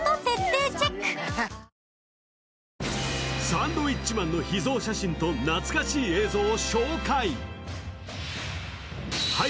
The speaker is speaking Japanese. サンドウィッチマンの秘蔵写真と懐かしい映像を公開。